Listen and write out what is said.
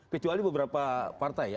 kecuali beberapa partai ya